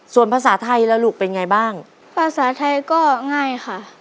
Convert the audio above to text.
ส่วนภาษาไทยแล้วลูกเป็นไงบ้างภาษาไทยก็ง่ายค่ะ